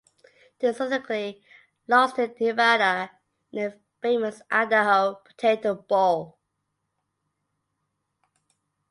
They subsequently lost to Nevada in the Famous Idaho Potato Bowl.